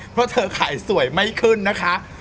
เพราะเธอขายสวยไม่ขึ้นนะคะ